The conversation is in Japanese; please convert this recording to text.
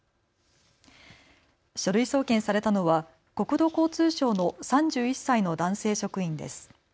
書類送検されたのは国土交通省の３１歳の男性職員です。